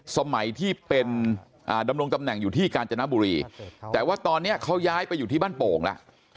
สมัยที่เป็นดำรงตำแหน่งอยู่ที่กาญจนบุรีแต่ว่าตอนนี้เขาย้ายไปอยู่ที่บ้านโป่งแล้ว